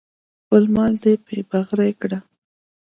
خپل مال دې پې بغرۍ که.